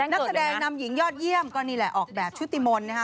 นักแสดงนำหญิงยอดเยี่ยมก็นี่แหละออกแบบชุติมนต์นะคะ